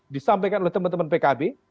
disampaikan oleh teman teman pkb